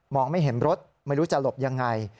ไม่เห็นรถไม่รู้จะหลบยังไง